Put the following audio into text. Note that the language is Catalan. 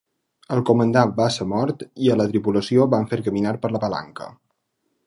El comandant va ser mort i a la tripulació van fer caminar per la palanca.